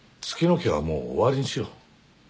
家はもう終わりにしよう。